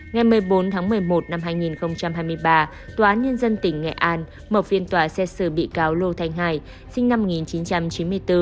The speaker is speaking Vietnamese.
ngày một mươi bốn tháng một mươi một năm hai nghìn hai mươi ba tòa án nhân dân tỉnh nghệ an mở phiên tòa xét xử bị cáo lô thanh hải sinh năm một nghìn chín trăm chín mươi bốn